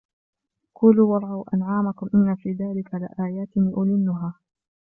كلوا وارعوا أنعامكم إن في ذلك لآيات لأولي النهى